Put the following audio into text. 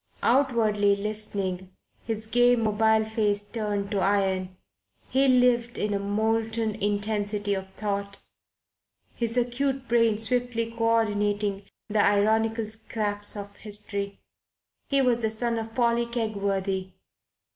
Outwardly listening, his gay, mobile face turned to iron, he lived in a molten intensity of thought, his acute brain swiftly coordinating the ironical scraps of history. He was the son of Polly Kegworthy.